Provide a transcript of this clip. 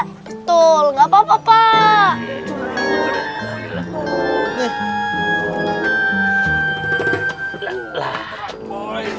betul nggak apa apa pak